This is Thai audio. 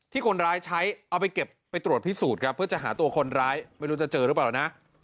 คนร้ายใช้เอาไปเก็บไปตรวจพิสูจน์ครับเพื่อจะหาตัวคนร้ายไม่รู้จะเจอหรือเปล่านะ